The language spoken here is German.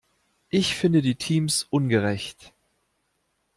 Ich finde die Teams ungerecht.